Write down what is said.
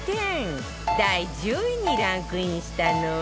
第１０位にランクインしたのは